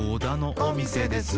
「おみせです」